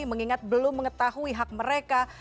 mengingat belum mengetahui hak mereka